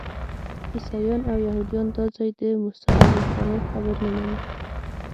عیسویان او یهودیان دا ځای د موسی علیه السلام قبر نه مني.